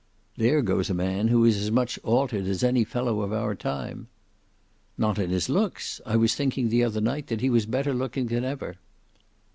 "There goes a man who is as much altered as any fellow of our time." "Not in his looks; I was thinking the other night that he was better looking than ever."